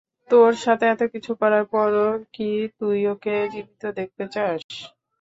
তোর সাথে এতকিছু করার পরও কি তুই ওকে জীবিত দেখতে চাস?